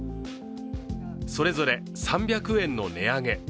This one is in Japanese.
それぞれ３００円の値上げ。